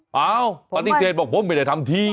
เปล่าปฏิเสธบอกผมไม่ได้ทำที